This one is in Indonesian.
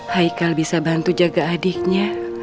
haikal bisa bantu jaga adiknya